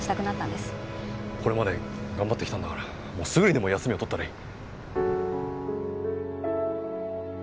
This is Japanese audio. これまで頑張ってきたんだからもうすぐにでも休みを取ったらいい。